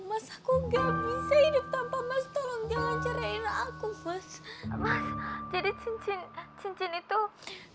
mas aku gak bisa hidup tanpa mas tolong jangan ceriain aku mas